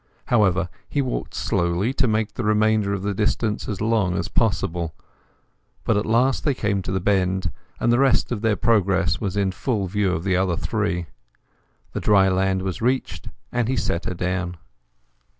However, he walked slowly, to make the remainder of the distance as long as possible; but at last they came to the bend, and the rest of their progress was in full view of the other three. The dry land was reached, and he set her down.